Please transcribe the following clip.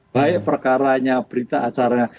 baik perkaranya berita acaranya